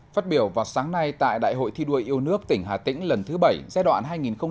phát biểu vào sáng nay tại đại hội thi đua yêu nước tỉnh hà tĩnh lần thứ bảy giai đoạn hai nghìn hai mươi hai nghìn hai mươi năm